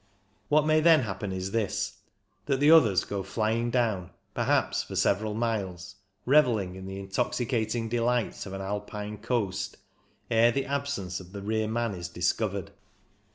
What may then happen is this — that the others go flying down, perhaps for several miles, revelling in the intoxicating delights of an Alpine " coast," ere the absence of the rear man is discovered.